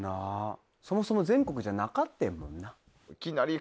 そもそも全国じゃなかってんもんな。